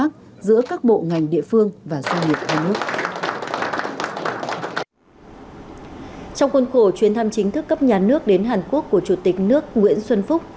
trong năm chính thức cấp nhà nước đến hàn quốc của chủ tịch nước nguyễn xuân phúc